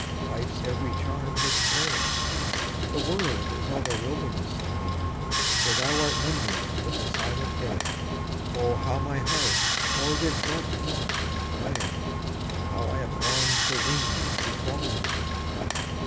Life's every charm has fled, The world is all a wilderness to me; "For thou art numbered with the silent dead." Oh, how my heart o'er this dark thought has bled! How I have longed for wings to follow thee!